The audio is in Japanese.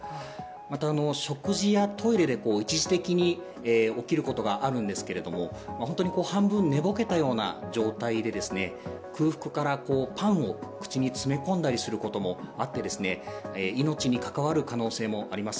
また、食事やトイレで一時的に起きることがあるんですけども本当に半分寝ぼけたような状態で空腹からパンを口に詰め込んだりすることもあって命に関わる可能性もあります。